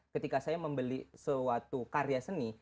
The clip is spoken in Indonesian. ketika saya membeli suatu karya seni